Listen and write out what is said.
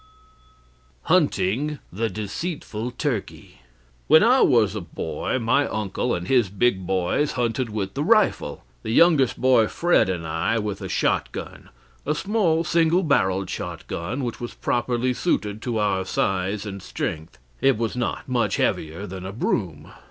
HUNTING THE DECEITFUL TURKEY When I was a boy my uncle and his big boys hunted with the rifle, the youngest boy Fred and I with a shotgun a small single barrelled shotgun which was properly suited to our size and strength; it was not much heavier than a broom.